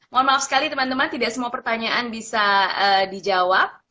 mohon maaf sekali teman teman tidak semua pertanyaan bisa dijawab